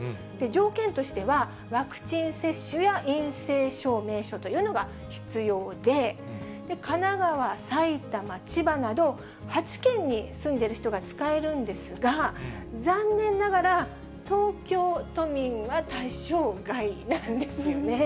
条件としては、ワクチン接種や陰性証明書というのが必要で、神奈川、さいたま、千葉など、８県に住んでいる人が使えるんですが、残念ながら、東京都民は対象外なんですよね。